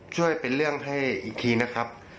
ช่วยเป็นเรื่องให้อีกทีนะครับ